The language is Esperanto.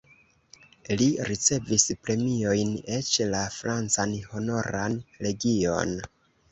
Li ricevis premiojn, eĉ la francan Honoran legion.